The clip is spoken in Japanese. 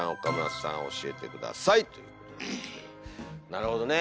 なるほどね。